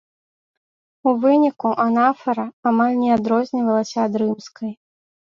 У выніку анафара амаль не адрознівалася ад рымскай.